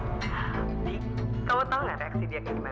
jadi kamu tahu nggak reaksi dia kayak gimana